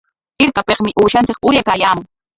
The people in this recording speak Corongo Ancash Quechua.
Hirkapikmi uushanchik uraykaayaamun.